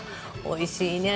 おいしいね。